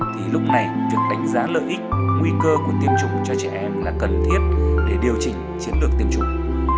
thì lúc này việc đánh giá lợi ích nguy cơ của tiêm chủng cho trẻ em là cần thiết để điều chỉnh chiến lược tiêm chủng